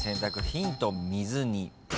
ヒント「水に」